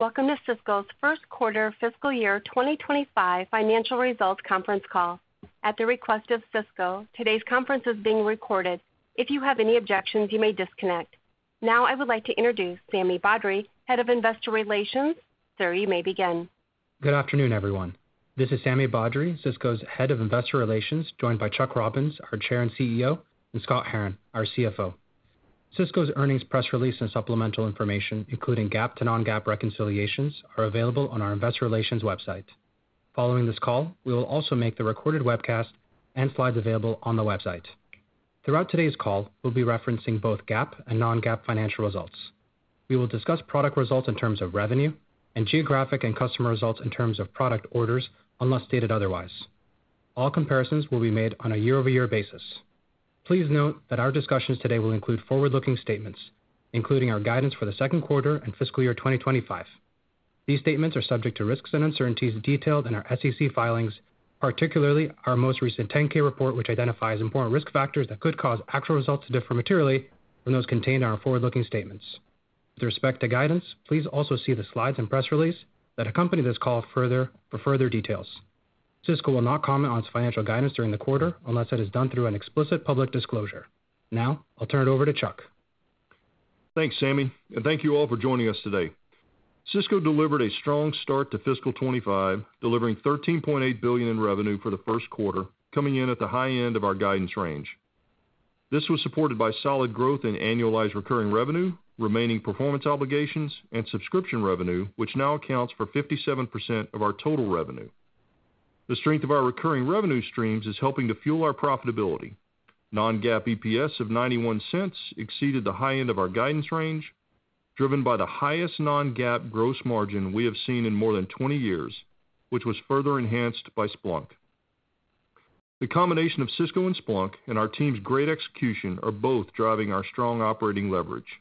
Welcome to Cisco's first quarter of fiscal year 2025 financial results conference call. At the request of Cisco, today's conference is being recorded. If you have any objections, you may disconnect. Now, I would like to introduce Sami Badri, Head of Investor Relations. Sir, you may begin. Good afternoon, everyone. This is Sami Badri, Cisco's Head of Investor Relations, joined by Chuck Robbins, our Chair and CEO, and Scott Herren, our CFO. Cisco's earnings press release and supplemental information, including GAAP to non-GAAP reconciliations, are available on our Investor Relations website. Following this call, we will also make the recorded webcast and slides available on the website. Throughout today's call, we'll be referencing both GAAP and non-GAAP financial results. We will discuss product results in terms of revenue and geographic and customer results in terms of product orders, unless stated otherwise. All comparisons will be made on a year-over-year basis. Please note that our discussions today will include forward-looking statements, including our guidance for the second quarter and fiscal year 2025. These statements are subject to risks and uncertainties detailed in our SEC filings, particularly our most recent 10-K report, which identifies important risk factors that could cause actual results to differ materially from those contained in our forward-looking statements. With respect to guidance, please also see the slides and press release that accompany this call further for details. Cisco will not comment on its financial guidance during the quarter unless it is done through an explicit public disclosure. Now, I'll turn it over to Chuck. Thanks, Sami, and thank you all for joining us today. Cisco delivered a strong start to fiscal 2025, delivering $13.8 billion in revenue for the first quarter, coming in at the high end of our guidance range. This was supported by solid growth in annualized recurring revenue, remaining performance obligations, and subscription revenue, which now accounts for 57% of our total revenue. The strength of our recurring revenue streams is helping to fuel our profitability. Non-GAAP EPS of $0.91 exceeded the high end of our guidance range, driven by the highest non-GAAP gross margin we have seen in more than 20 years, which was further enhanced by Splunk. The combination of Cisco and Splunk and our team's great execution are both driving our strong operating leverage.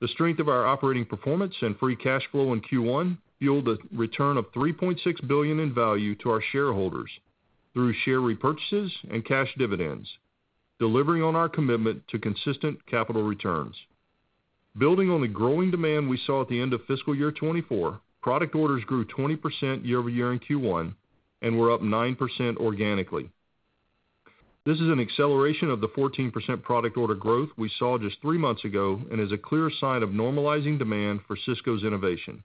The strength of our operating performance and free cash flow in Q1 fueled a return of $3.6 billion in value to our shareholders through share repurchases and cash dividends, delivering on our commitment to consistent capital returns. Building on the growing demand we saw at the end of fiscal year 2024, product orders grew 20% year-over-year in Q1 and were up 9% organically. This is an acceleration of the 14% product order growth we saw just three months ago and is a clear sign of normalizing demand for Cisco's innovation.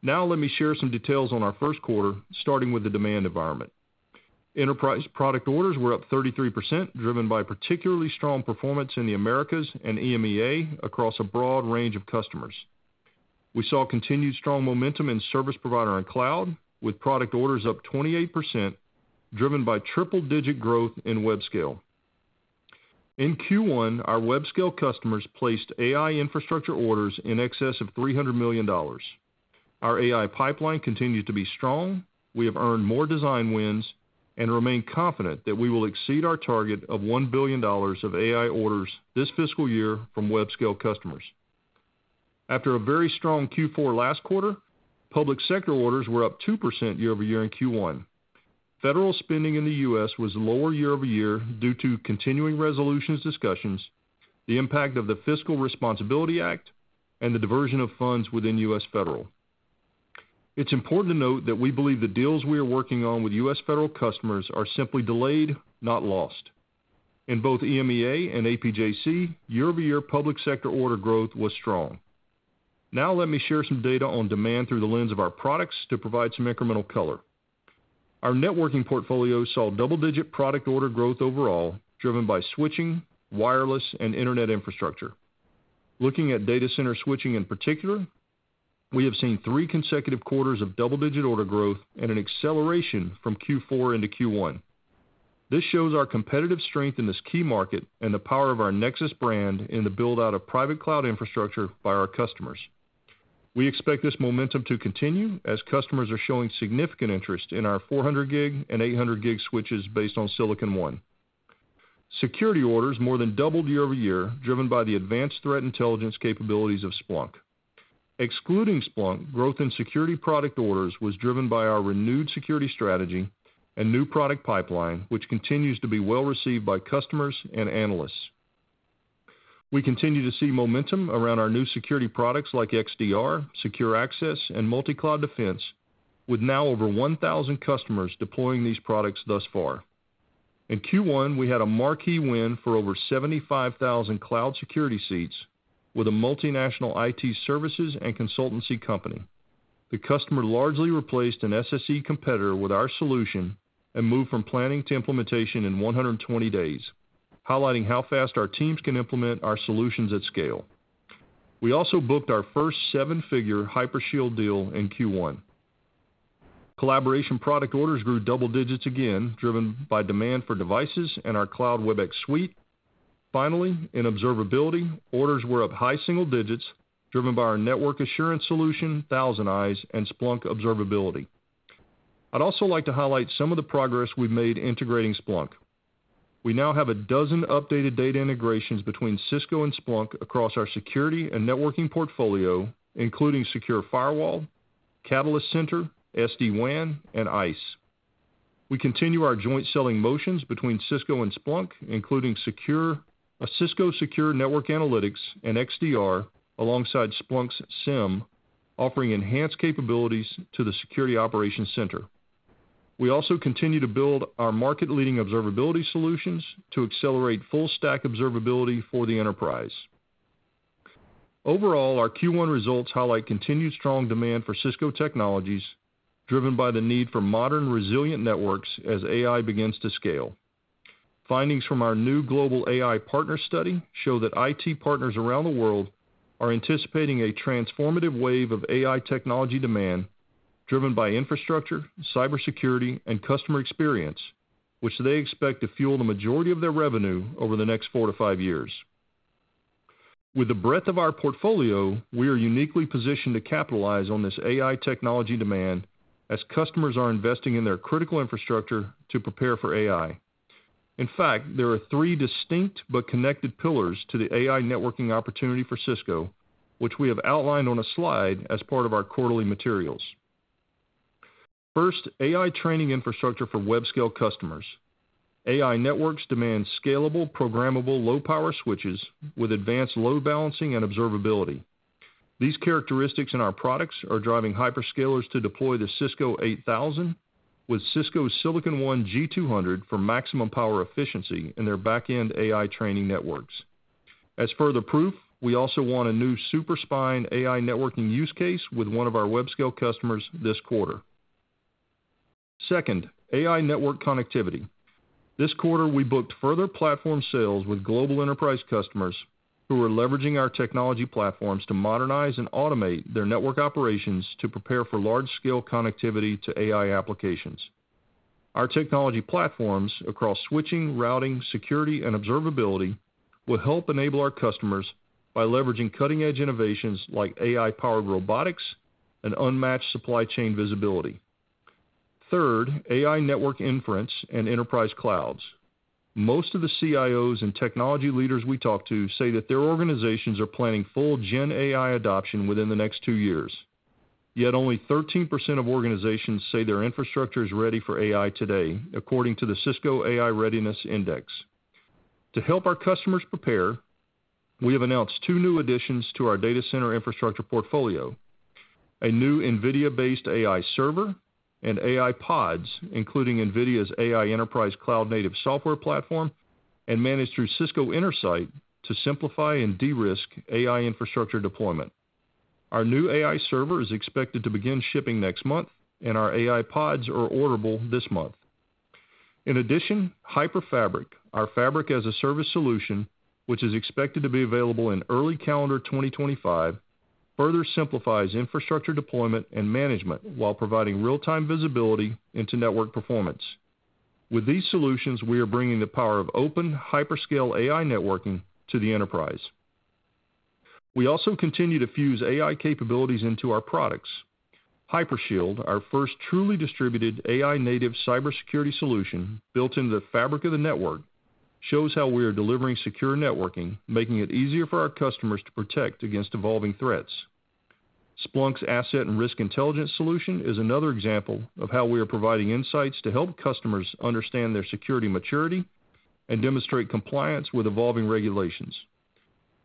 Now, let me share some details on our first quarter, starting with the demand environment. Enterprise product orders were up 33%, driven by particularly strong performance in the Americas and EMEA across a broad range of customers. We saw continued strong momentum in service provider and cloud, with product orders up 28%, driven by triple-digit growth in web scale. In Q1, our web scale customers placed AI infrastructure orders in excess of $300 million. Our AI pipeline continues to be strong. We have earned more design wins and remain confident that we will exceed our target of $1 billion of AI orders this fiscal year from web scale customers. After a very strong Q4 last quarter, public sector orders were up 2% year-over-year in Q1. spending in the U.S. was lower year-over-year due to continuing resolutions discussions, the impact of the Fiscal Responsibility Act, and the diversion of funds within U.S. Federal. It's important to note that we believe the deals we are working on with U.S. Federal customers are simply delayed, not lost. In both EMEA and APJC, year-over-year public sector order growth was strong. Now, let me share some data on demand through the lens of our products to provide some incremental color. Our networking portfolio saw double-digit product order growth overall, driven by switching, wireless, and internet infrastructure. Looking at data center switching in particular, we have seen three consecutive quarters of double-digit order growth and an acceleration from Q4 into Q1. This shows our competitive strength in this key market and the power of our Nexus brand in the build-out of private cloud infrastructure by our customers. We expect this momentum to continue as customers are showing significant interest in our 400 gig and 800 gig switches based on Silicon One. Security orders more than doubled year-over-year, driven by the advanced threat intelligence capabilities of Splunk. Excluding Splunk, growth in security product orders was driven by our renewed security strategy and new product pipeline, which continues to be well received by customers and analysts. We continue to see momentum around our new security products like XDR, Secure Access, and Multicloud Defense, with now over 1,000 customers deploying these products thus far. In Q1, we had a marquee win for over 75,000 cloud security seats with a multinational IT services and consultancy company. The customer largely replaced an SSE competitor with our solution and moved from planning to implementation in 120 days, highlighting how fast our teams can implement our solutions at scale. We also booked our first seven-figure Hypershield deal in Q1. Collaboration product orders grew double digits again, driven by demand for devices and our cloud Webex suite. Finally, in observability, orders were up high single digits, driven by our network assurance solution, ThousandEyes, and Splunk Observability. I'd also like to highlight some of the progress we've made integrating Splunk. We now have a dozen updated data integrations between Cisco and Splunk across our security and networking portfolio, including Secure Firewall, Catalyst Center, SD-WAN, and ISE. We continue our joint selling motions between Cisco and Splunk, including Secure, a Cisco Secure Network Analytics, and XDR, alongside Splunk's SIEM, offering enhanced capabilities to the security operations center. We also continue to build our market-leading observability solutions to accelerate full-stack observability for the enterprise. Overall, our Q1 results highlight continued strong demand for Cisco technologies, driven by the need for modern, resilient networks as AI begins to scale. Findings from our new global AI partner study show that IT partners around the world are anticipating a transformative wave of AI technology demand, driven by infrastructure, cybersecurity, and customer experience, which they expect to fuel the majority of their revenue over the next four to five years. With the breadth of our portfolio, we are uniquely positioned to capitalize on this AI technology demand as customers are investing in their critical infrastructure to prepare for AI. In fact, there are three distinct but connected pillars to the AI networking opportunity for Cisco, which we have outlined on a slide as part of our quarterly materials. First, AI training infrastructure for web scale customers. AI networks demand scalable, programmable, low-power switches with advanced load balancing and observability. These characteristics in our products are driving hyperscalers to deploy the Cisco 8000 with Cisco Silicon One G200 for maximum power efficiency in their back-end AI training networks. As further proof, we also won a new Superspine AI networking use case with one of our web scale customers this quarter. Second, AI network connectivity. This quarter, we booked further platform sales with global enterprise customers who are leveraging our technology platforms to modernize and automate their network operations to prepare for large-scale connectivity to AI applications. Our technology platforms across switching, routing, security, and observability will help enable our customers by leveraging cutting-edge innovations like AI-powered robotics and unmatched supply chain visibility. Third, AI network inference and enterprise clouds. Most of the CIOs and technology leaders we talk to say that their organizations are planning full GenAI adoption within the next two years. Yet only 13% of organizations say their infrastructure is ready for AI today, according to the Cisco AI Readiness Index. To help our customers prepare, we have announced two new additions to our data center infrastructure portfolio: a new NVIDIA-based AI server and AI pods, including NVIDIA's AI Enterprise cloud native software platform and managed through Cisco Intersight to simplify and de-risk AI infrastructure deployment. Our new AI server is expected to begin shipping next month, and our AI pods are orderable this month. In addition, HyperFabric, our Fabric as a Service solution, which is expected to be available in early calendar 2025, further simplifies infrastructure deployment and management while providing real-time visibility into network performance. With these solutions, we are bringing the power of open hyperscale AI networking to the enterprise. We also continue to fuse AI capabilities into our products. Hypershield, our first truly distributed AI-native cybersecurity solution built into the fabric of the network, shows how we are delivering secure networking, making it easier for our customers to protect against evolving threats. Splunk's asset and risk intelligence solution is another example of how we are providing insights to help customers understand their security maturity and demonstrate compliance with evolving regulations.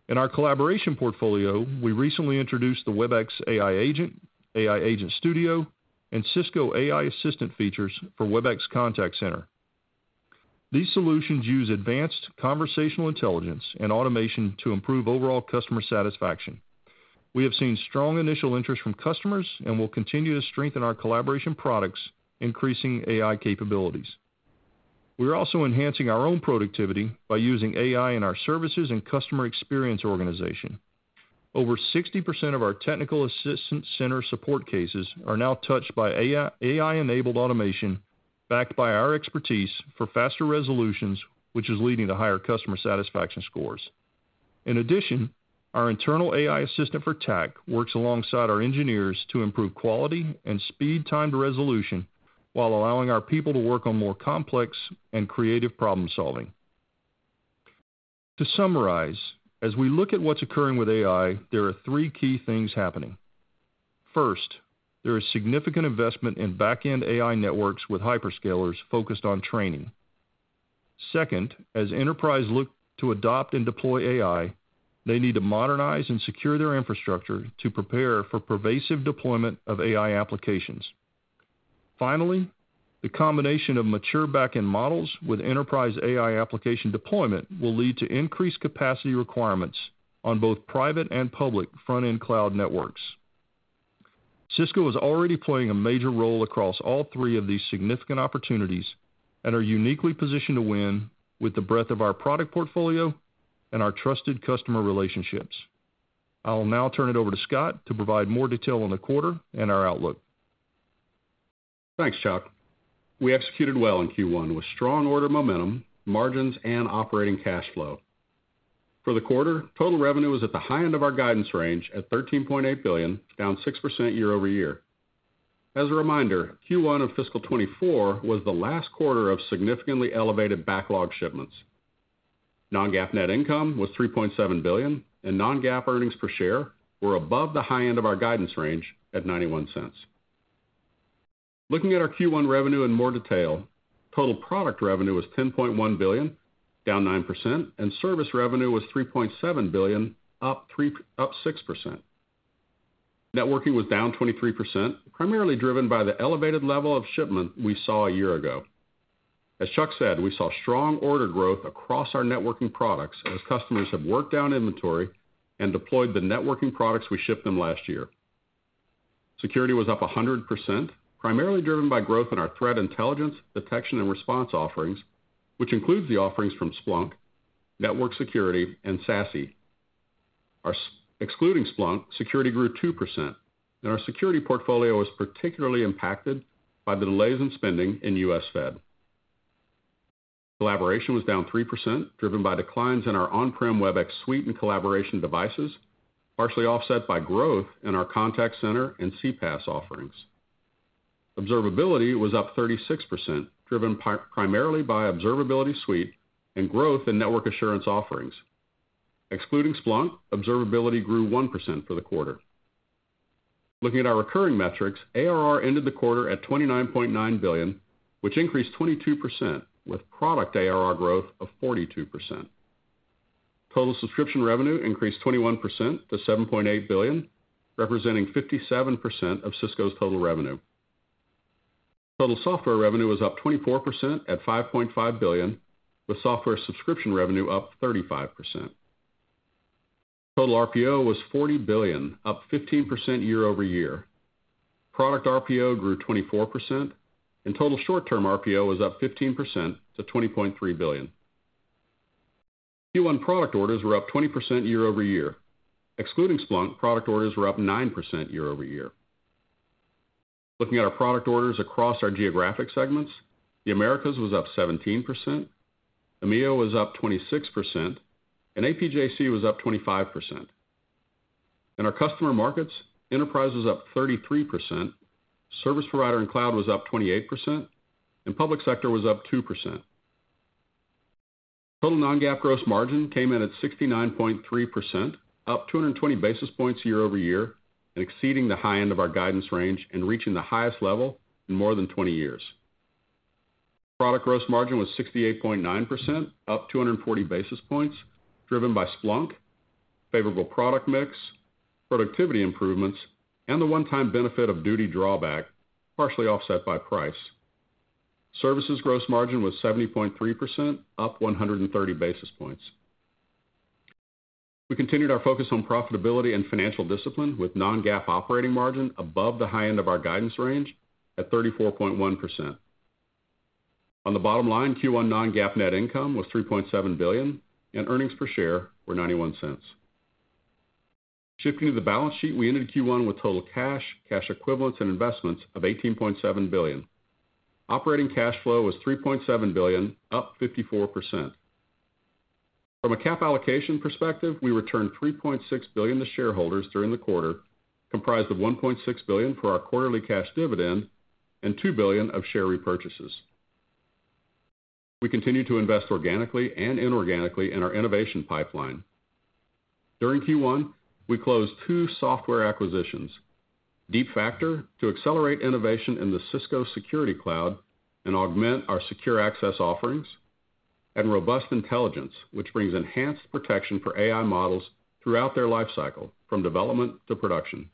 In our collaboration portfolio, we recently introduced the Webex AI Agent, AI Agent Studio, and Cisco AI Assistant features for Webex Contact Center. These solutions use advanced conversational intelligence and automation to improve overall customer satisfaction. We have seen strong initial interest from customers and will continue to strengthen our collaboration products, increasing AI capabilities. We are also enhancing our own productivity by using AI in our services and customer experience organization. Over 60% of our Technical Assistance Center support cases are now touched by AI-enabled automation backed by our expertise for faster resolutions, which is leading to higher customer satisfaction scores. In addition, our internal AI assistant for TAC works alongside our engineers to improve quality and speed time to resolution while allowing our people to work on more complex and creative problem-solving. To summarize, as we look at what's occurring with AI, there are three key things happening. First, there is significant investment in back-end AI networks with hyperscalers focused on training. Second, as enterprises look to adopt and deploy AI, they need to modernize and secure their infrastructure to prepare for pervasive deployment of AI applications. Finally, the combination of mature back-end models with enterprise AI application deployment will lead to increased capacity requirements on both private and public front-end cloud networks. Cisco is already playing a major role across all three of these significant opportunities and are uniquely positioned to win with the breadth of our product portfolio and our trusted customer relationships. I'll now turn it over to Scott to provide more detail on the quarter and our outlook. Thanks, Chuck. We executed well in Q1 with strong order momentum, margins, and operating cash flow. For the quarter, total revenue was at the high end of our guidance range at $13.8 billion, down 6% year-over-year. As a reminder, Q1 of fiscal 2024 was the last quarter of significantly elevated backlog shipments. Non-GAAP net income was $3.7 billion, and non-GAAP earnings per share were above the high end of our guidance range at $0.91. Looking at our Q1 revenue in more detail, total product revenue was $10.1 billion, down 9%, and service revenue was $3.7 billion, up 6%. Networking was down 23%, primarily driven by the elevated level of shipment we saw a year ago. As Chuck said, we saw strong order growth across our networking products as customers have worked down inventory and deployed the networking products we shipped them last year. Security was up 100%, primarily driven by growth in our threat intelligence, detection, and response offerings, which includes the offerings from Splunk, Network Security, and SASE. Excluding Splunk, security grew 2%, and our security portfolio was particularly impacted by the delays in spending in U.S. Fed. Collaboration was down 3%, driven by declines in our on-prem Webex suite and collaboration devices, partially offset by growth in our contact center and CPaaS offerings. Observability was up 36%, driven primarily by observability suite and growth in network assurance offerings. Excluding Splunk, observability grew 1% for the quarter. Looking at our recurring metrics, ARR ended the quarter at $29.9 billion, which increased 22%, with product ARR growth of 42%. Total subscription revenue increased 21% to $7.8 billion, representing 57% of Cisco's total revenue. Total software revenue was up 24% at $5.5 billion, with software subscription revenue up 35%. Total RPO was $40 billion, up 15% year-over-year. Product RPO grew 24%, and total short-term RPO was up 15% to $20.3 billion. Q1 product orders were up 20% year-over-year. Excluding Splunk, product orders were up 9% year-over-year. Looking at our product orders across our geographic segments, the Americas was up 17%, EMEA was up 26%, and APJC was up 25%. In our customer markets, enterprise was up 33%, service provider and cloud was up 28%, and public sector was up 2%. Total non-GAAP gross margin came in at 69.3%, up 220 basis points year-over-year, and exceeding the high end of our guidance range and reaching the highest level in more than 20 years. Product gross margin was 68.9%, up 240 basis points, driven by Splunk, favorable product mix, productivity improvements, and the one-time benefit of duty drawback, partially offset by price. Services gross margin was 70.3%, up 130 basis points. We continued our focus on profitability and financial discipline with non-GAAP operating margin above the high end of our guidance range at 34.1%. On the bottom line, Q1 non-GAAP net income was $3.7 billion, and earnings per share were $0.91. Shifting to the balance sheet, we ended Q1 with total cash, cash equivalents, and investments of $18.7 billion. Operating cash flow was $3.7 billion, up 54%. From a capital allocation perspective, we returned $3.6 billion to shareholders during the quarter, comprised of $1.6 billion for our quarterly cash dividend and $2 billion of share repurchases. We continue to invest organically and inorganically in our innovation pipeline. During Q1, we closed two software acquisitions: Deepfactor to accelerate innovation in the Cisco security cloud and augment our secure access offerings, and Robust Intelligence, which brings enhanced protection for AI models throughout their lifecycle from development to production.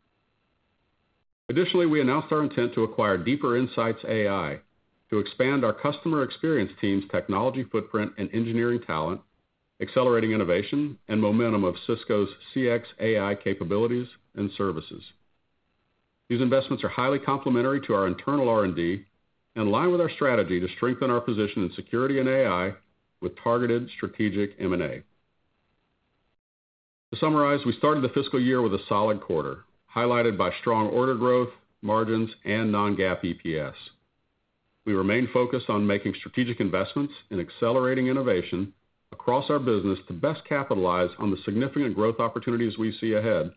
Additionally, we announced our intent to acquire Deeper Insights to expand our customer experience team's technology footprint and engineering talent, accelerating innovation and momentum of Cisco's CX AI capabilities and services. These investments are highly complementary to our internal R&D and align with our strategy to strengthen our position in security and AI with targeted strategic M&A. To summarize, we started the fiscal year with a solid quarter, highlighted by strong order growth, margins, and non-GAAP EPS. We remain focused on making strategic investments and accelerating innovation across our business to best capitalize on the significant growth opportunities we see ahead,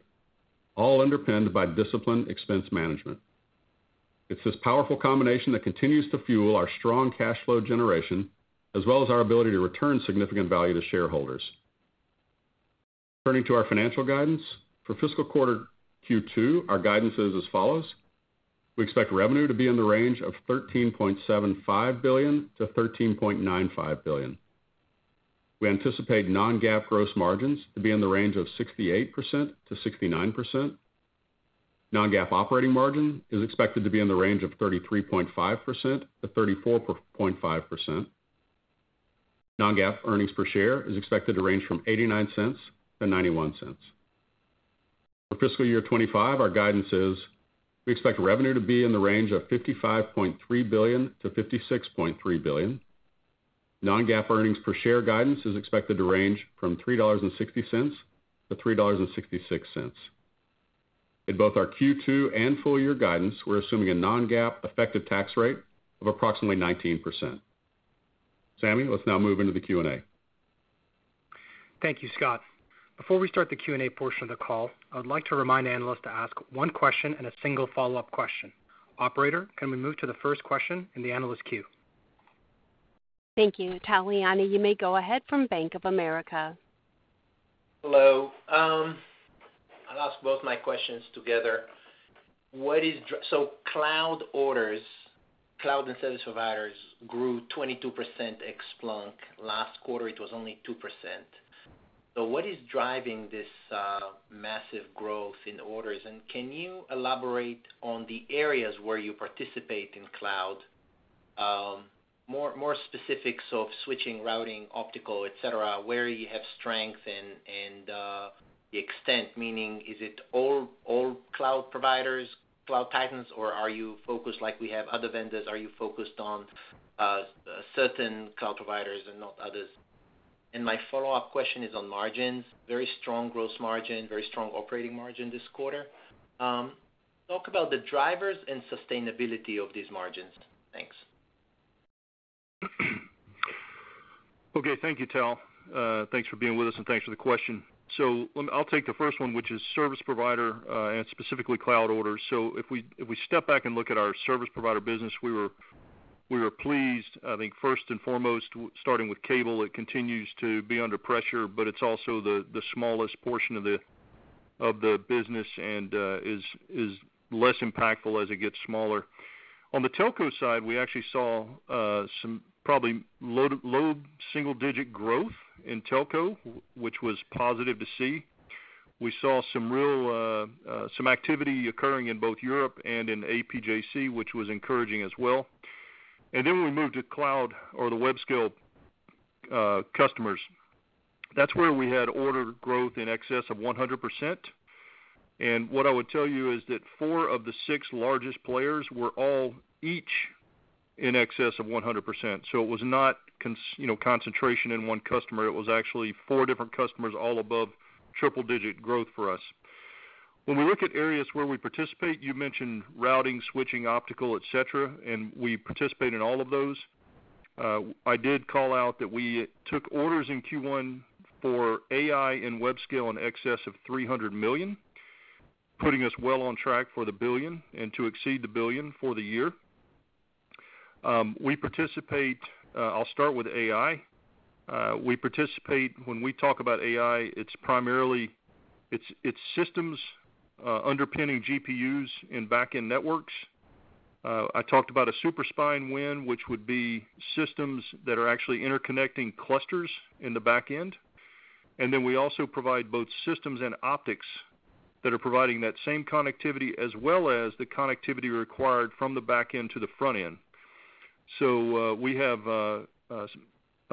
all underpinned by disciplined expense management. It's this powerful combination that continues to fuel our strong cash flow generation, as well as our ability to return significant value to shareholders. Turning to our financial guidance for fiscal quarter Q2, our guidance is as follows. We expect revenue to be in the range of $13.75 billion-$13.95 billion. We anticipate non-GAAP gross margins to be in the range of 68%-69%. Non-GAAP operating margin is expected to be in the range of 33.5%-34.5%. Non-GAAP earnings per share is expected to range from $0.89 to $0.91. For fiscal year 2025, our guidance is we expect revenue to be in the range of $55.3 billion-$56.3 billion. Non-GAAP earnings per share guidance is expected to range from $3.60-$3.66. In both our Q2 and full-year guidance, we're assuming a non-GAAP effective tax rate of approximately 19%. Sami, let's now move into the Q&A. Thank you, Scott. Before we start the Q&A portion of the call, I would like to remind analysts to ask one question and a single follow-up question. Operator, can we move to the first question in the analyst queue? Thank you. Tal Liani, you may go ahead from Bank of America. Hello. I'll ask both my questions together. So cloud orders, cloud and service providers grew 22% ex-Splunk. Last quarter, it was only 2%. So what is driving this massive growth in orders? Can you elaborate on the areas where you participate in cloud, more specifics of switching, routing, optical, etc., where you have strength and the extent, meaning is it all cloud providers, cloud titans, or are you focused like we have other vendors? Are you focused on certain cloud providers and not others? My follow-up question is on margins. Very strong gross margin, very strong operating margin this quarter. Talk about the drivers and sustainability of these margins. Thanks. Okay. Thank you, Tal. Thanks for being with us, and thanks for the question. I'll take the first one, which is service provider, and specifically cloud orders. If we step back and look at our service provider business, we were pleased. I think first and foremost, starting with cable, it continues to be under pressure, but it's also the smallest portion of the business and is less impactful as it gets smaller. On the telco side, we actually saw some probably low single-digit growth in telco, which was positive to see. We saw some activity occurring in both Europe and in APJC, which was encouraging as well. And then we moved to cloud or the web scale customers. That's where we had order growth in excess of 100%. And what I would tell you is that four of the six largest players were all each in excess of 100%. So it was not concentration in one customer. It was actually four different customers all above triple-digit growth for us. When we look at areas where we participate, you mentioned routing, switching, optical, etc., and we participate in all of those. I did call out that we took orders in Q1 for AI and web scale in excess of $300 million, putting us well on track for the $1 billion and to exceed the $1 billion for the year. I'll start with AI. When we talk about AI, it's systems underpinning GPUs and back-end networks. I talked about a superspine win, which would be systems that are actually interconnecting clusters in the back-end. And then we also provide both systems and optics that are providing that same connectivity as well as the connectivity required from the back-end to the front-end. So we have a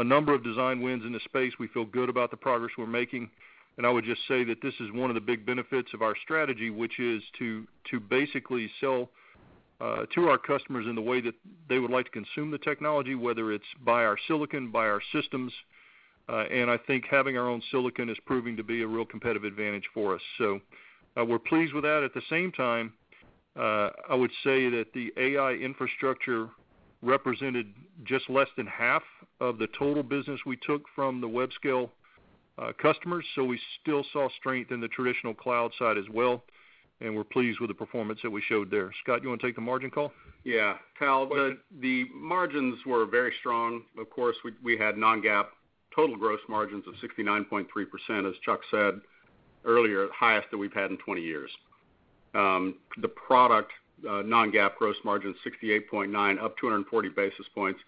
number of design wins in the space. We feel good about the progress we're making. I would just say that this is one of the big benefits of our strategy, which is to basically sell to our customers in the way that they would like to consume the technology, whether it's by our silicon, by our systems. And I think having our own silicon is proving to be a real competitive advantage for us. So we're pleased with that. At the same time, I would say that the AI infrastructure represented just less than half of the total business we took from the web-scale customers. So we still saw strength in the traditional cloud side as well, and we're pleased with the performance that we showed there. Scott, do you want to take the margin call? Yeah. Tal, the margins were very strong. Of course, we had non-GAAP total gross margins of 69.3%, as Chuck said earlier, the highest that we've had in 20 years. The product non-GAAP gross margin is 68.9%, up 240 basis points.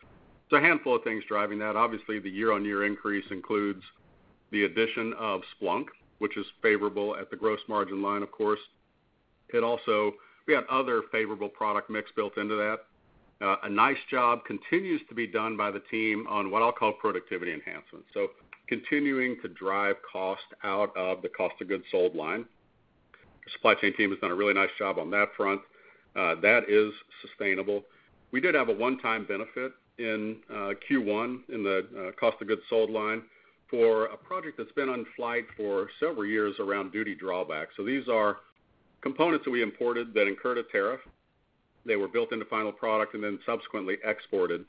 It's a handful of things driving that. Obviously, the year-on-year increase includes the addition of Splunk, which is favorable at the gross margin line, of course. We had other favorable product mix built into that. A nice job continues to be done by the team on what I'll call productivity enhancements. So continuing to drive cost out of the cost of goods sold line. The supply chain team has done a really nice job on that front. That is sustainable. We did have a one-time benefit in Q1 in the cost of goods sold line for a project that's been in flight for several years around duty drawback. So these are components that we imported that incurred a tariff. They were built into final product and then subsequently exported.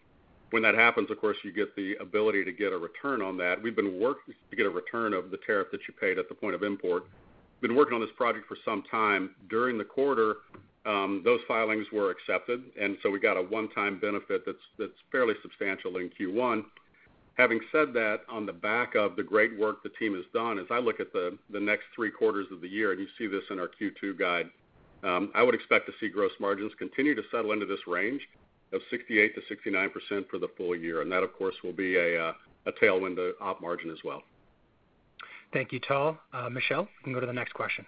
When that happens, of course, you get the ability to get a return on that. We've been working to get a return of the tariff that you paid at the point of import. We've been working on this project for some time. During the quarter, those filings were accepted, and so we got a one-time benefit that's fairly substantial in Q1. Having said that, on the back of the great work the team has done, as I look at the next three quarters of the year, and you see this in our Q2 guide, I would expect to see gross margins continue to settle into this range of 68%-69% for the full year. And that, of course, will be a tailwind to op margin as well. Thank you, Tal. Michelle, you can go to the next question.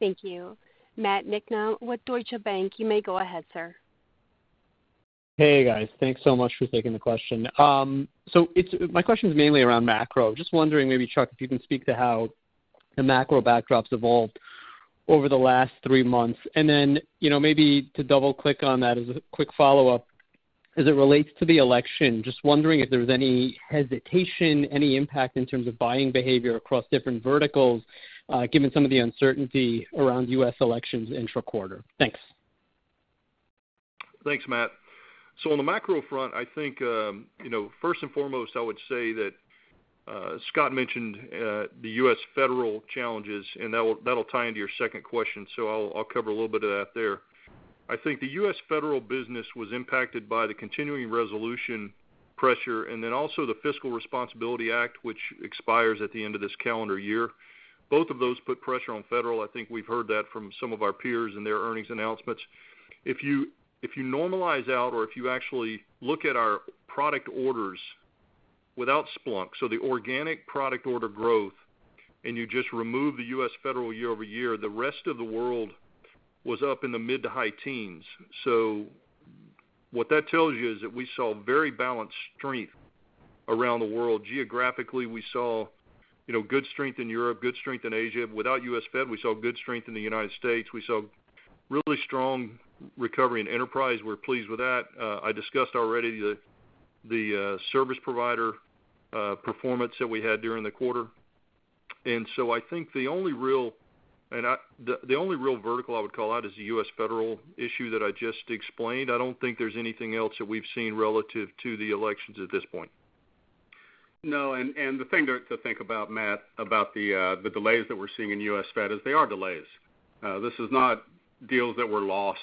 Thank you. Matt Niknam, with Deutsche Bank. You may go ahead, sir. Hey, guys. Thanks so much for taking the question. So my question is mainly around macro. Just wondering maybe, Chuck, if you can speak to how the macro backdrops evolved over the last three months. And then maybe to double-click on that as a quick follow-up, as it relates to the election, just wondering if there was any hesitation, any impact in terms of buying behavior across different verticals, given some of the uncertainty around U.S. elections intra-quarter. Thanks. Thanks, Matt. So on the macro front, I think first and foremost, I would say that Scott mentioned the U.S. Federal challenges, and that'll tie into your second question. So I'll cover a little bit of that there. I think the U.S. Federal business was impacted by the continuing resolution pressure and then also the Fiscal Responsibility Act, which expires at the end of this calendar year. Both of those put pressure on Federal. I think we've heard that from some of our peers in their earnings announcements. If you normalize out or if you actually look at our product orders without Splunk, so the organic product order growth, and you just remove the U.S. Federal year-over-year, the rest of the world was up in the mid to high teens. So what that tells you is that we saw very balanced strength around the world. Geographically, we saw good strength in Europe, good strength in Asia. Without U.S. Fed, we saw good strength in the United States. We saw really strong recovery in enterprise. We're pleased with that. I discussed already the service provider performance that we had during the quarter, and so I think the only real vertical I would call out is the U.S. Federal issue that I just explained. I don't think there's anything else that we've seen relative to the elections at this point. No, and the thing to think about, Matt, about the delays that we're seeing in U.S. Fed is they are delays. This is not deals that were lost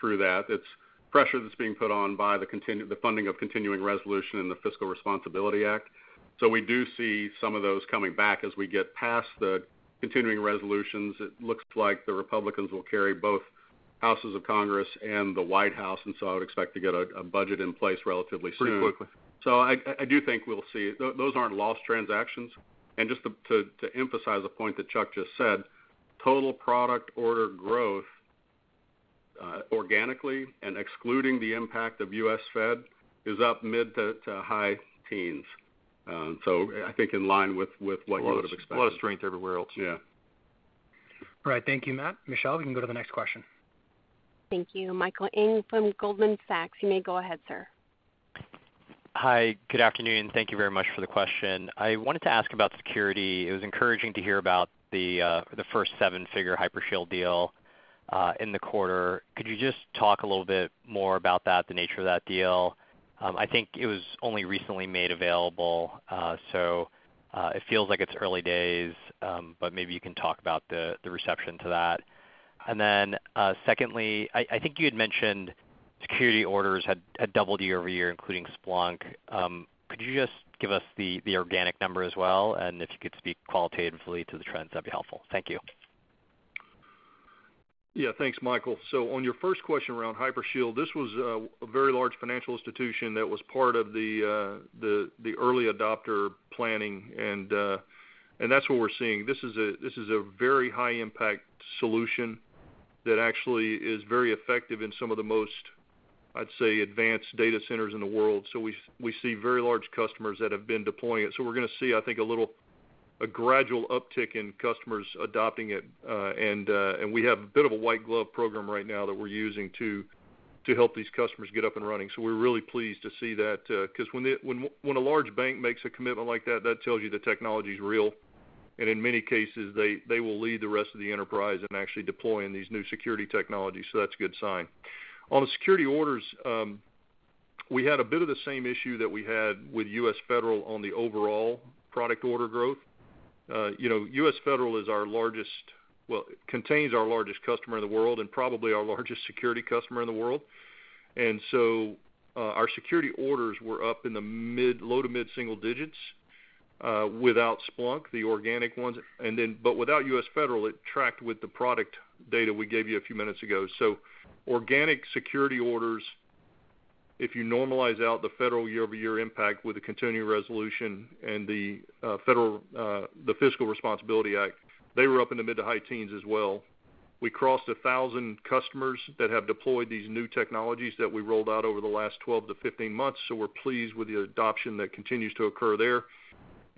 through that. It's pressure that's being put on by the funding of Continuing Resolution and the Fiscal Responsibility Act, so we do see some of those coming back as we get past the continuing resolutions. It looks like the Republicans will carry both houses of Congress and the White House, and so I would expect to get a budget in place relatively soon. Pretty quickly, so I do think we'll see it. Those aren't lost transactions. And just to emphasize the point that Chuck just said, total product order growth organically, and excluding the impact of U.S. Fed, is up mid to high teens. So I think in line with what you would have expected. A lot of strength everywhere else. Yeah. All right. Thank you, Matt. Michelle, we can go to the next question. Thank you. Michael Ng from Goldman Sachs. You may go ahead, sir. Hi. Good afternoon. Thank you very much for the question. I wanted to ask about security. It was encouraging to hear about the first seven-figure Hypershield deal in the quarter. Could you just talk a little bit more about that, the nature of that deal? I think it was only recently made available, so it feels like it's early days, but maybe you can talk about the reception to that. And then secondly, I think you had mentioned security orders had doubled year-over-year, including Splunk. Could you just give us the organic number as well? And if you could speak qualitatively to the trends, that'd be helpful. Thank you. Yeah. Thanks, Michael. So on your first question around Hypershield, this was a very large financial institution that was part of the early adopter planning. And that's what we're seeing. This is a very high-impact solution that actually is very effective in some of the most, I'd say, advanced data centers in the world. So we see very large customers that have been deploying it. So we're going to see, I think, a gradual uptick in customers adopting it. And we have a bit of a white-glove program right now that we're using to help these customers get up and running. So we're really pleased to see that. Because when a large bank makes a commitment like that, that tells you the technology's real. And in many cases, they will lead the rest of the enterprise in actually deploying these new security technologies. So that's a good sign. On the security orders, we had a bit of the same issue that we had with U.S. Federal on the overall product order growth. U.S. Federal is our largest, well, contains our largest customer in the world and probably our largest security customer in the world. And so our security orders were up in the low to mid single digits without Splunk, the organic ones. But without U.S. Federal, it tracked with the product data we gave you a few minutes ago. So organic security orders, if you normalize out the Federal year-over-year impact with the continuing resolution and the Fiscal Responsibility Act, they were up in the mid to high teens as well. We crossed 1,000 customers that have deployed these new technologies that we rolled out over the last 12 to 15 months. So we're pleased with the adoption that continues to occur there.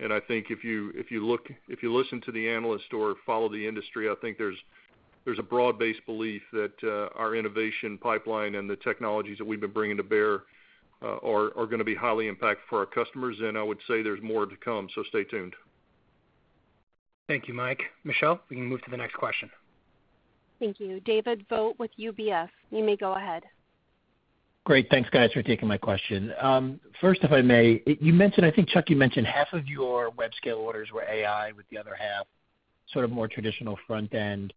And I think if you listen to the analyst or follow the industry, I think there's a broad-based belief that our innovation pipeline and the technologies that we've been bringing to bear are going to be highly impactful for our customers. And I would say there's more to come. So stay tuned. Thank you, Mike. Michelle, we can move to the next question. Thank you. David Vogt with UBS. You may go ahead. Great. Thanks, guys, for taking my question. First, if I may, you mentioned, I think Chuck, you mentioned half of your web-scale orders were AI, with the other half sort of more traditional front-end.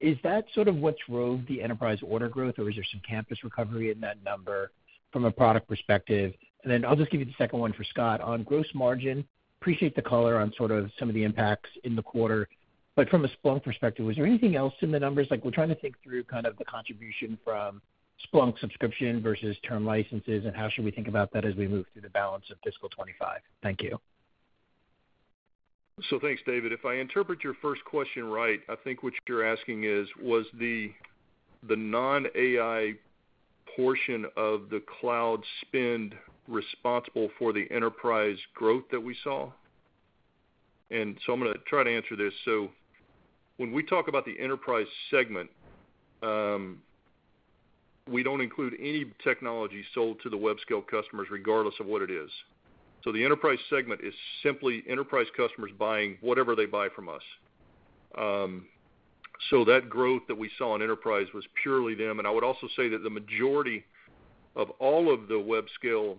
Is that sort of what drove the enterprise order growth, or is there some campus recovery in that number from a product perspective? And then I'll just give you the second one for Scott. On gross margin, appreciate the color on sort of some of the impacts in the quarter. But from a Splunk perspective, was there anything else in the numbers? We're trying to think through kind of the contribution from Splunk subscription versus term licenses, and how should we think about that as we move through the balance of fiscal 2025? Thank you. So thanks, David. If I interpret your first question right, I think what you're asking is, was the non-AI portion of the cloud spend responsible for the enterprise growth that we saw? And so I'm going to try to answer this. So when we talk about the enterprise segment, we don't include any technology sold to the web scale customers, regardless of what it is. So the enterprise segment is simply enterprise customers buying whatever they buy from us. So that growth that we saw in enterprise was purely them. And I would also say that the majority of all of the web scale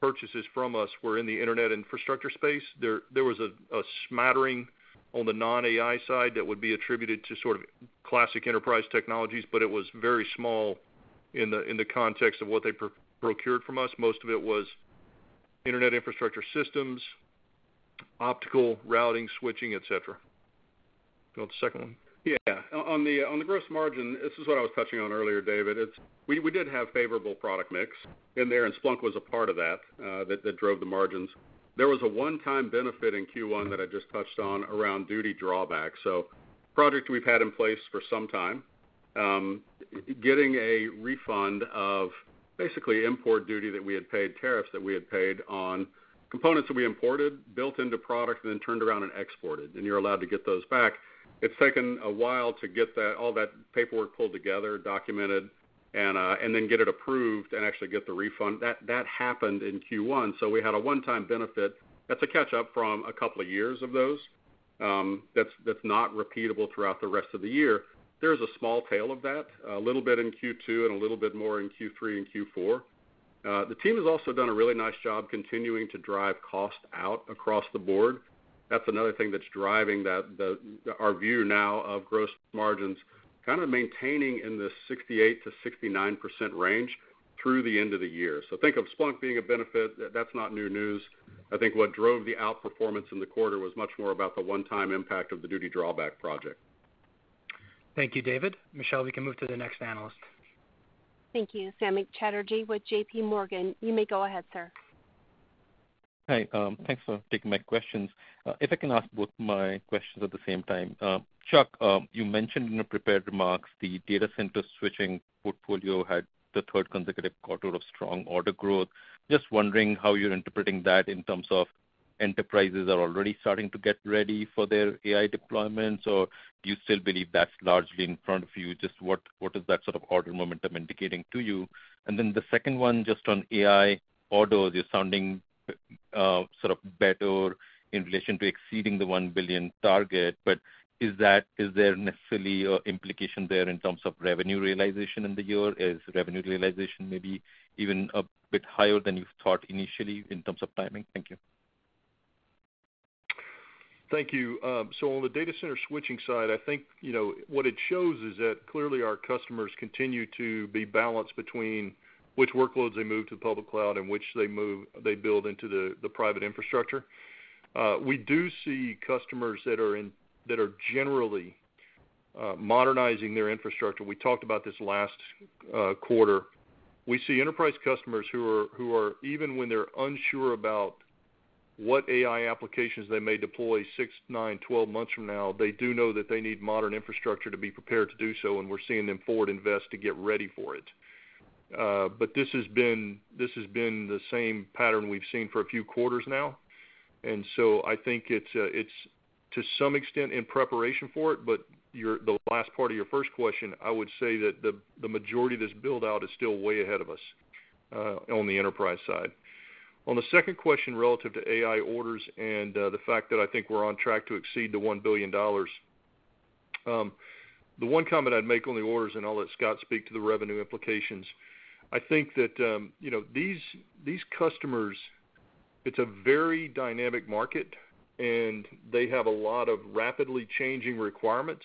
purchases from us were in the internet infrastructure space. There was a smattering on the non-AI side that would be attributed to sort of classic enterprise technologies, but it was very small in the context of what they procured from us. Most of it was internet infrastructure systems, optical routing, switching, etc. Go to the second one. Yeah. On the gross margin, this is what I was touching on earlier, David. We did have favorable product mix in there, and Splunk was a part of that that drove the margins. There was a one-time benefit in Q1 that I just touched on around duty drawback. So a project we've had in place for some time, getting a refund of basically import duty that we had paid, tariffs that we had paid on components that we imported, built into product, and then turned around and exported, and you're allowed to get those back. It's taken a while to get all that paperwork pulled together, documented, and then get it approved and actually get the refund. That happened in Q1. So we had a one-time benefit. That's a catch-up from a couple of years of those that's not repeatable throughout the rest of the year. There's a small tail of that, a little bit in Q2 and a little bit more in Q3 and Q4. The team has also done a really nice job continuing to drive cost out across the board. That's another thing that's driving our view now of gross margins, kind of maintaining in the 68%-69% range through the end of the year. So think of Splunk being a benefit. That's not new news. I think what drove the outperformance in the quarter was much more about the one-time impact of the Duty Drawback project. Thank you, David. Michelle, we can move to the next analyst. Thank you. Samik Chatterjee with JPMorgan. You may go ahead, sir. Hi. Thanks for taking my questions. If I can ask both my questions at the same time. Chuck, you mentioned in your prepared remarks the data center switching portfolio had the third consecutive quarter of strong order growth. Just wondering how you're interpreting that in terms of enterprises that are already starting to get ready for their AI deployments, or do you still believe that's largely in front of you? Just what is that sort of order momentum indicating to you? And then the second one, just on AI orders, you're sounding sort of better in relation to exceeding the $1 billion target. But is there necessarily an implication there in terms of revenue realization in the year? Is revenue realization maybe even a bit higher than you thought initially in terms of timing? Thank you. Thank you. So on the data center switching side, I think what it shows is that clearly our customers continue to be balanced between which workloads they move to the public cloud and which they build into the private infrastructure. We do see customers that are generally modernizing their infrastructure. We talked about this last quarter. We see enterprise customers who are, even when they're unsure about what AI applications they may deploy six, nine, 12 months from now, they do know that they need modern infrastructure to be prepared to do so. And we're seeing them forward invest to get ready for it. But this has been the same pattern we've seen for a few quarters now. And so I think it's, to some extent, in preparation for it. But the last part of your first question, I would say that the majority of this build-out is still way ahead of us on the enterprise side. On the second question relative to AI orders and the fact that I think we're on track to exceed the $1 billion, the one comment I'd make on the orders and I'll let Scott speak to the revenue implications. I think that these customers, it's a very dynamic market, and they have a lot of rapidly changing requirements.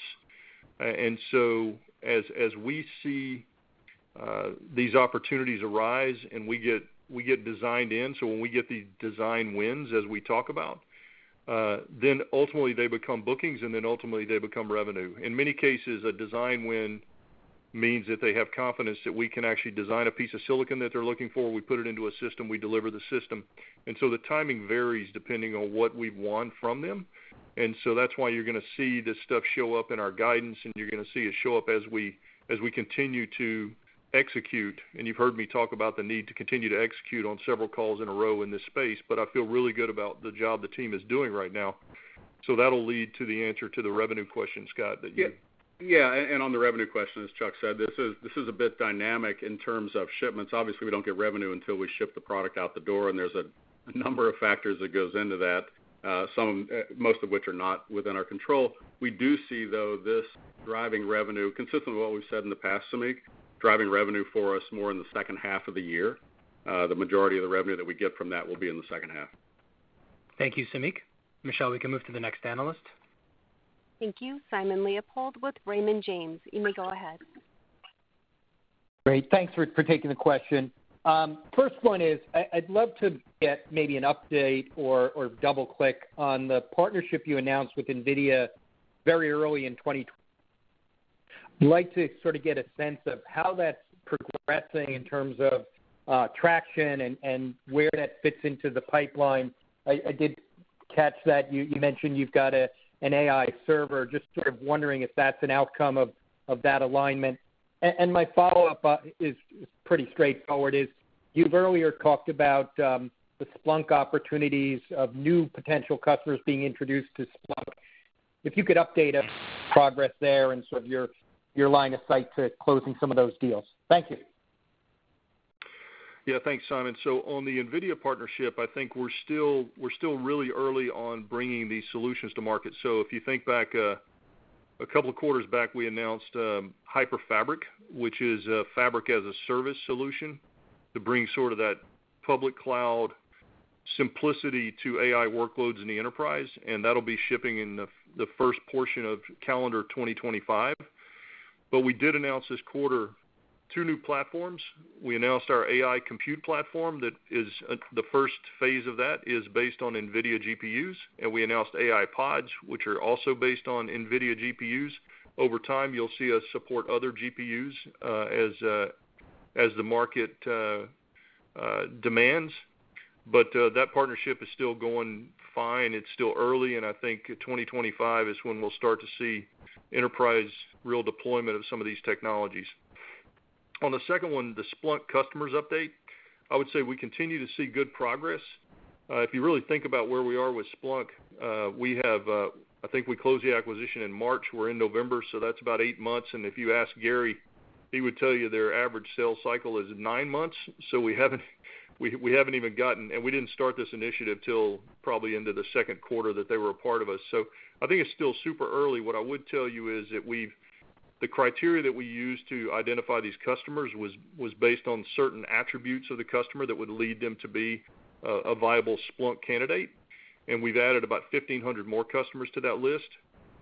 And so as we see these opportunities arise and we get designed in, so when we get these design wins, as we talk about, then ultimately they become bookings, and then ultimately they become revenue. In many cases, a design win means that they have confidence that we can actually design a piece of silicon that they're looking for. We put it into a system. We deliver the system, and so the timing varies depending on what we want from them, and so that's why you're going to see this stuff show up in our guidance, and you're going to see it show up as we continue to execute, and you've heard me talk about the need to continue to execute on several calls in a row in this space, but I feel really good about the job the team is doing right now, so that'll lead to the answer to the revenue question, Scott, that you had. Yeah, and on the revenue question, as Chuck said, this is a bit dynamic in terms of shipments. Obviously, we don't get revenue until we ship the product out the door, and there's a number of factors that goes into that, most of which are not within our control. We do see, though, this driving revenue, consistent with what we've said in the past, Samik, driving revenue for us more in the second half of the year. The majority of the revenue that we get from that will be in the second half. Thank you, Samik. Michelle, we can move to the next analyst. Thank you. Simon Leopold with Raymond James. You may go ahead. Great. Thanks for taking the question. First one is, I'd love to get maybe an update or double-click on the partnership you announced with NVIDIA very early in 2020. I'd like to sort of get a sense of how that's progressing in terms of traction and where that fits into the pipeline. I did catch that you mentioned you've got an AI server. Just sort of wondering if that's an outcome of that alignment. And my follow-up is pretty straightforward. You've earlier talked about the Splunk opportunities of new potential customers being introduced to Splunk. If you could update us on progress there and sort of your line of sight to closing some of those deals. Thank you. Yeah. Thanks, Simon. So on the NVIDIA partnership, I think we're still really early on bringing these solutions to market. So if you think back a couple of quarters back, we announced Hypershield, which is a fabric-as-a-service solution to bring sort of that public cloud simplicity to AI workloads in the enterprise. And that'll be shipping in the first portion of calendar 2025. But we did announce this quarter two new platforms. We announced our AI compute platform that is the first phase of that is based on NVIDIA GPUs. And we announced AI pods, which are also based on NVIDIA GPUs. Over time, you'll see us support other GPUs as the market demands. But that partnership is still going fine. It's still early. And I think 2025 is when we'll start to see enterprise real deployment of some of these technologies. On the second one, the Splunk customers update, I would say we continue to see good progress. If you really think about where we are with Splunk, I think we closed the acquisition in March. We're in November. So that's about eight months. And if you ask Gary, he would tell you their average sales cycle is nine months. So we haven't even gotten, and we didn't start this initiative till probably into the second quarter that they were a part of us. So I think it's still super early. What I would tell you is that the criteria that we use to identify these customers was based on certain attributes of the customer that would lead them to be a viable Splunk candidate. And we've added about 1,500 more customers to that list.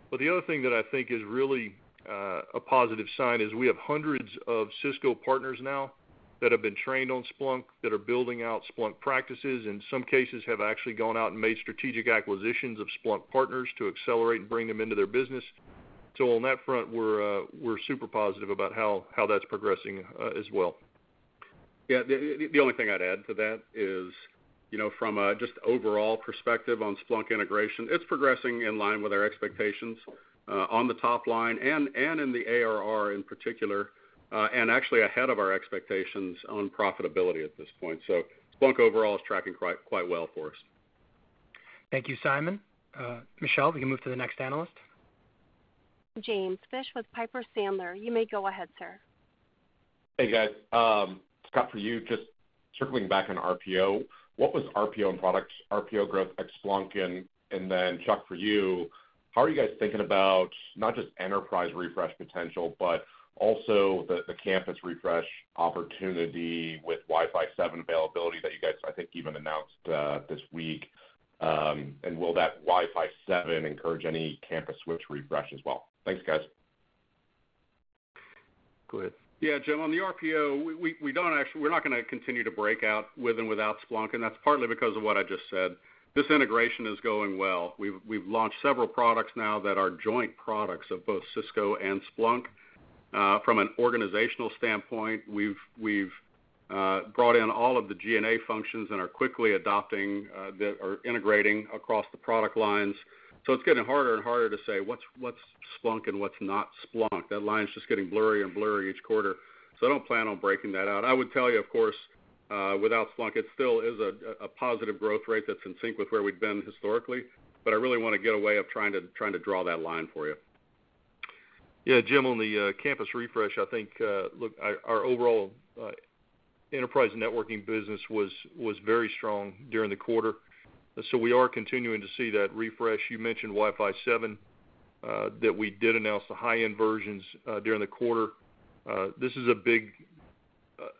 But the other thing that I think is really a positive sign is we have hundreds of Cisco partners now that have been trained on Splunk, that are building out Splunk practices, and in some cases have actually gone out and made strategic acquisitions of Splunk partners to accelerate and bring them into their business. So on that front, we're super positive about how that's progressing as well. Yeah. The only thing I'd add to that is from just an overall perspective on Splunk integration, it's progressing in line with our expectations on the top line and in the ARR in particular, and actually ahead of our expectations on profitability at this point. So Splunk overall is tracking quite well for us. Thank you, Simon. Michelle, we can move to the next analyst. James Fish with Piper Sandler. You may go ahead, sir. Hey, guys. Scott, for you, just circling back on RPO. What was RPO and product RPO growth at Splunk? And then, Chuck, for you, how are you guys thinking about not just enterprise refresh potential, but also the campus refresh opportunity with Wi-Fi 7 availability that you guys, I think, even announced this week? And will that Wi-Fi 7 encourage any campus switch refresh as well? Thanks, guys. Go ahead. Yeah, Jim. On the RPO, we're not going to continue to break out with and without Splunk. And that's partly because of what I just said. This integration is going well. We've launched several products now that are joint products of both Cisco and Splunk. From an organizational standpoint, we've brought in all of the GNA functions and are quickly integrating across the product lines. So it's getting harder and harder to say what's Splunk and what's not Splunk. That line's just getting blurrier and blurrier each quarter. So I don't plan on breaking that out. I would tell you, of course, without Splunk, it still is a positive growth rate that's in sync with where we've been historically. But I really want to get away from trying to draw that line for you. Yeah. Jim, on the campus refresh, I think our overall enterprise networking business was very strong during the quarter. So we are continuing to see that refresh. You mentioned Wi-Fi 7, that we did announce the high-end versions during the quarter. This is a big,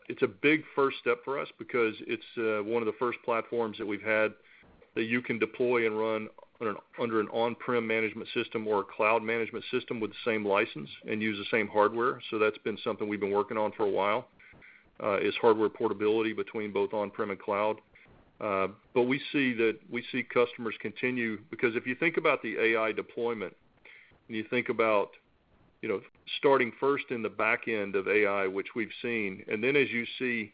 it's a big first step for us because it's one of the first platforms that we've had that you can deploy and run under an on-prem management system or a cloud management system with the same license and use the same hardware. So that's been something we've been working on for a while, is hardware portability between both on-prem and cloud. But we see that customers continue because if you think about the AI deployment and you think about starting first in the back end of AI, which we've seen, and then as you see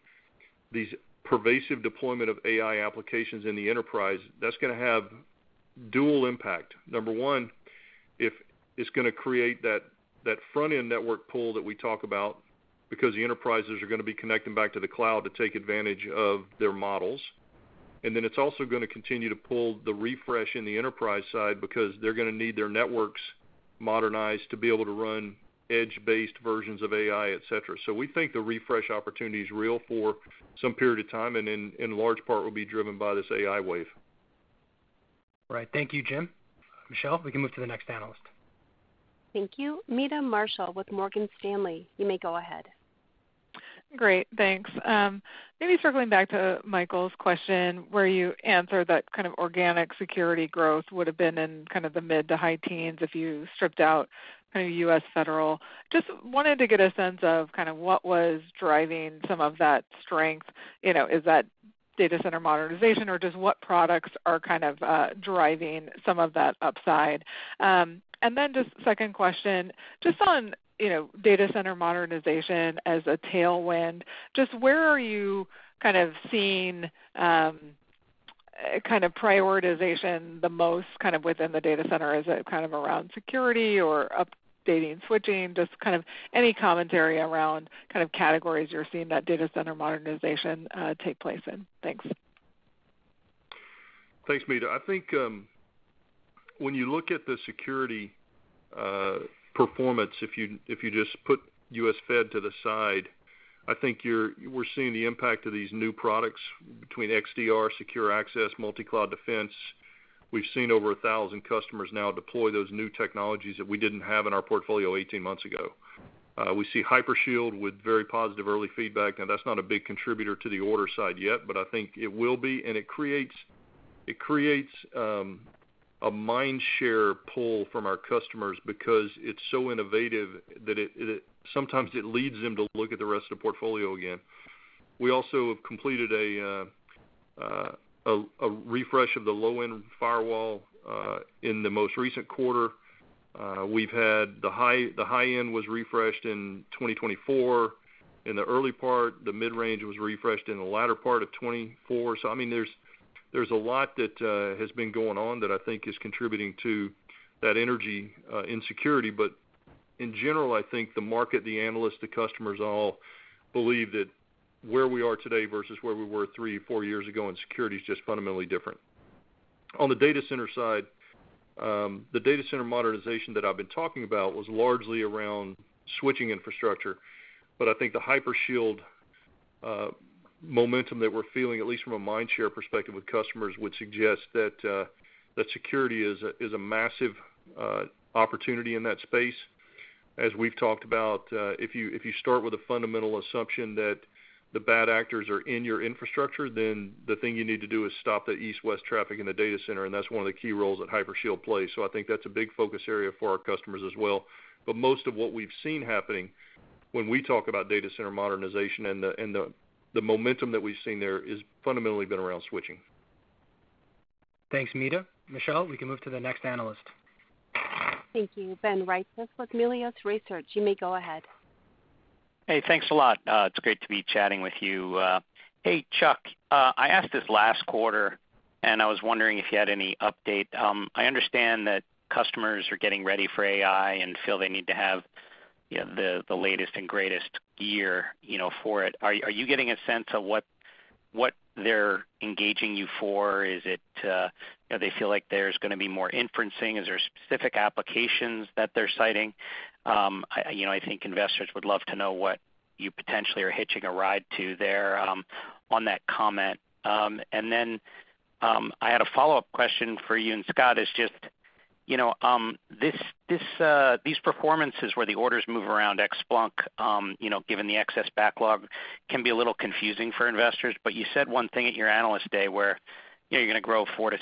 these pervasive deployment of AI applications in the enterprise, that's going to have dual impact. Number one, it's going to create that front-end network pull that we talk about because the enterprises are going to be connecting back to the cloud to take advantage of their models. And then it's also going to continue to pull the refresh in the enterprise side because they're going to need their networks modernized to be able to run edge-based versions of AI, etc. So we think the refresh opportunity is real for some period of time and in large part will be driven by this AI wave. All right. Thank you, Jim. Michelle, we can move to the next analyst. Thank you. Meta Marshall with Morgan Stanley. You may go ahead. Great. Thanks. Maybe circling back to Michael's question, where you answered that kind of organic security growth would have been in kind of the mid to high teens if you stripped out kind of U.S. Federal. Just wanted to get a sense of kind of what was driving some of that strength. Is that data center modernization or just what products are kind of driving some of that upside? And then just second question, just on data center modernization as a tailwind, just where are you kind of seeing kind of prioritization the most kind of within the data center? Is it kind of around security or updating switching? Just kind of any commentary around kind of categories you're seeing that data center modernization take place in? Thanks. Thanks, Meta. I think when you look at the security performance, if you just put U.S. Fed to the side, I think we're seeing the impact of these new products between XDR, Secure Access, Multicloud Defense. We've seen over 1,000 customers now deploy those new technologies that we didn't have in our portfolio 18 months ago. We see Hypershield with very positive early feedback. Now, that's not a big contributor to the order side yet, but I think it will be. And it creates a mind share pull from our customers because it's so innovative that sometimes it leads them to look at the rest of the portfolio again. We also have completed a refresh of the low-end firewall in the most recent quarter. We've had the high-end was refreshed in 2024. In the early part, the mid-range was refreshed in the latter part of 2024. I mean, there's a lot that has been going on that I think is contributing to that energy in security. In general, I think the market, the analysts, the customers all believe that where we are today versus where we were three, four years ago in security is just fundamentally different. On the data center side, the data center modernization that I've been talking about was largely around switching infrastructure. I think the Hypershield momentum that we're feeling, at least from a mind share perspective with customers, would suggest that security is a massive opportunity in that space. As we've talked about, if you start with a fundamental assumption that the bad actors are in your infrastructure, then the thing you need to do is stop the east-west traffic in the data center. That's one of the key roles that Hypershield plays. So I think that's a big focus area for our customers as well. But most of what we've seen happening when we talk about data center modernization and the momentum that we've seen there has fundamentally been around switching. Thanks, Meta. Michelle, we can move to the next analyst. Thank you. Ben Reitzes with Melius Research. You may go ahead. Hey, thanks a lot. It's great to be chatting with you. Hey, Chuck, I asked this last quarter, and I was wondering if you had any update. I understand that customers are getting ready for AI and feel they need to have the latest and greatest gear for it. Are you getting a sense of what they're engaging you for? Is it they feel like there's going to be more inferencing? Is there specific applications that they're citing? I think investors would love to know what you potentially are hitching a ride to there on that comment. And then I had a follow-up question for you and Scott. It's just these performances where the orders move around ex-Splunk, given the excess backlog, can be a little confusing for investors. But you said one thing at your analyst day where you're going to grow 4%-6%.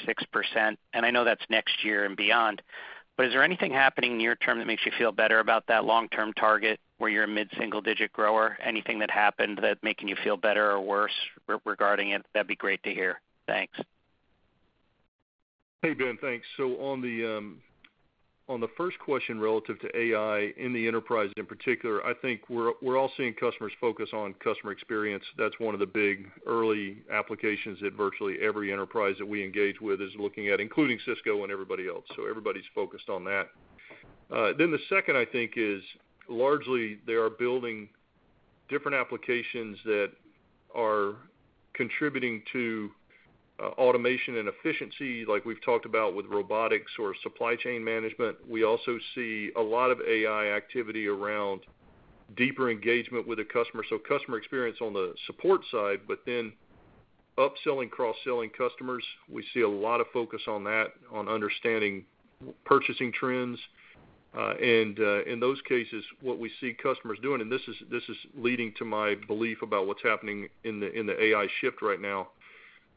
And I know that's next year and beyond. But is there anything happening near term that makes you feel better about that long-term target where you're a mid-single-digit grower? Anything that happened that's making you feel better or worse regarding it? That'd be great to hear. Thanks. Hey, Ben, thanks. So on the first question relative to AI in the enterprise in particular, I think we're all seeing customers focus on customer experience. That's one of the big early applications that virtually every enterprise that we engage with is looking at, including Cisco and everybody else. So everybody's focused on that. Then the second, I think, is largely they are building different applications that are contributing to automation and efficiency, like we've talked about with robotics or supply chain management. We also see a lot of AI activity around deeper engagement with a customer. So customer experience on the support side, but then upselling, cross-selling customers. We see a lot of focus on that, on understanding purchasing trends. And in those cases, what we see customers doing, and this is leading to my belief about what's happening in the AI shift right now,